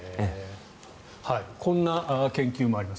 こんな研究もあります。